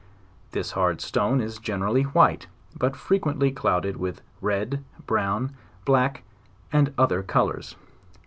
This hard stone is gen erally white, but frequently clouded with red, brown, black, and other colors.